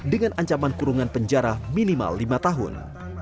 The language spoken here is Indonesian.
dengan ancaman kurungan penjara minimal lima tahun